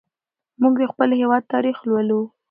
موږ د خپل هېواد تاریخ لولو.